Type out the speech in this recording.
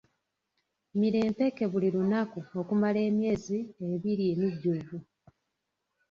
Mira empeke buli lunaku okumala emyezi ebiri emijjuvu.